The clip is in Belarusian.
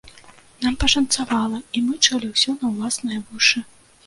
Нам пашанцавала і мы чулі ўсё на ўласныя вушы.